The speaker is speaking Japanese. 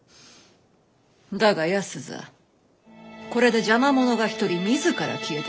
だが安左これで邪魔者が一人自ら消えてくれた。